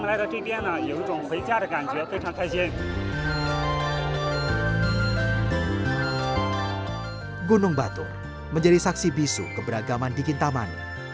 mewarisi budaya leluhur keturunan tionghoan di dataran tinggi ini pun hidup damai berdampingan dengan umat hindu bali